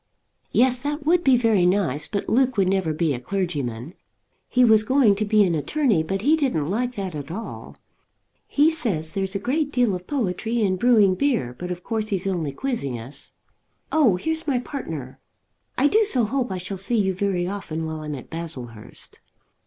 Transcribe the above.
"Yes; that would be very nice; but Luke would never be a clergyman. He was going to be an attorney, but he didn't like that at all. He says there's a great deal of poetry in brewing beer, but of course he's only quizzing us. Oh, here's my partner. I do so hope I shall see you very often while I'm at Baslehurst."